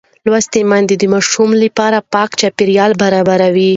لوستې میندې د ماشوم لپاره پاک چاپېریال برابروي.